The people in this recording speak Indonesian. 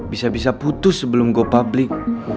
bisa bisa putus sebelum gue publik